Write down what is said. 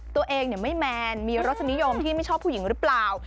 ตัวเองไม่แมนมีรสนิยมที่ไม่ชอบผู้หญิงหรือเปล่า